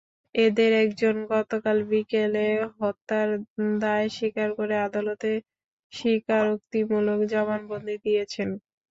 এঁদের একজন গতকাল বিকেলে হত্যার দায় স্বীকার করে আদালতে স্বীকারোক্তিমূলক জবানবন্দি দিয়েছেন।